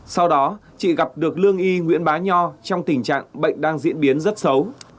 sau đó chị gặp được lương y nguyễn bá nho trong tình trạng bệnh đang diễn biến rất xấu